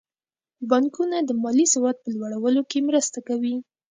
بانکونه د مالي سواد په لوړولو کې مرسته کوي.